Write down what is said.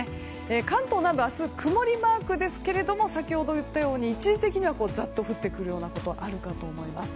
関東南部、明日曇りマークですけども先ほど言ったように一時的にざっと降ることもあると思います。